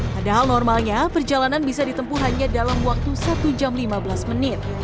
padahal normalnya perjalanan bisa ditempuh hanya dalam waktu satu jam lima belas menit